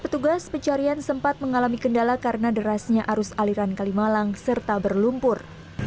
petugas pencarian sempat mengalami kendala karena derasnya arus aliran kalimalang serta berlumpur